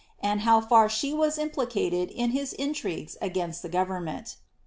and how far she was implicated in his intrigues against the govem imt.